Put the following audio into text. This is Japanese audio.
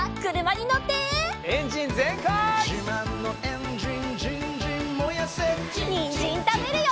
にんじんたべるよ！